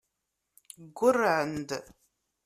Ggurrɛen-d.